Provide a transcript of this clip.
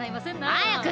早く！